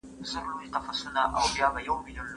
شریف خپل زوی ته د کلي د دودونو او کلتور په اړه وویل.